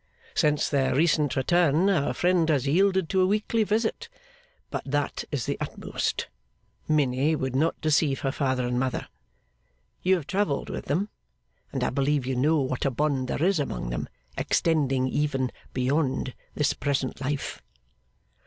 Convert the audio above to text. Since their recent return, our friend has yielded to a weekly visit, but that is the utmost. Minnie would not deceive her father and mother. You have travelled with them, and I believe you know what a bond there is among them, extending even beyond this present life.